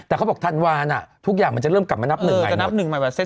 แต่เขาบอกธันวาลทุกอย่างมันจะเริ่มกลับมานับหนึ่งใหม่นับหนึ่งใหม่